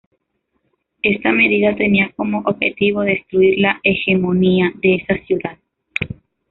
Esta medida tenía como objetivo destruir la hegemonía de esa ciudad.